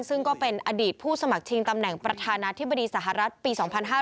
ซึ่งก็เป็นอดีตผู้สมัครชิงตำแหน่งประธานาธิบดีสหรัฐปี๒๕๕๙